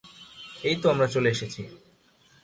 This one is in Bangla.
এইতো আমরা চলে এসেছি।